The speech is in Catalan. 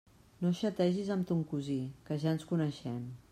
No xategis amb ton cosí, que ja ens coneixem!